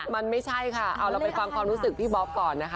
มันไม่ใช่ค่ะเอาเราไปฟังความรู้สึกพี่บ๊อบก่อนนะคะ